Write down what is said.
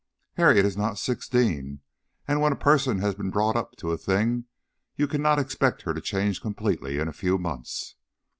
"Harriet is not sixteen. And when a person has been brought up to a thing, you cannot expect her to change completely in a few months.